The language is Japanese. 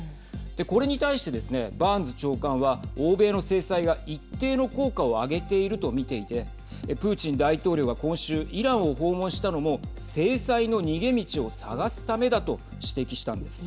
これに対してですねバーンズ長官は欧米の制裁が一定の効果を挙げていると見ていてプーチン大統領が今週イランを訪問したのも制裁の逃げ道を探すためだと指摘したんです。